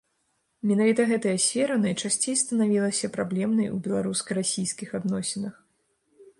Менавіта гэтая сфера найчасцей станавілася праблемнай у беларуска-расійскіх адносінах.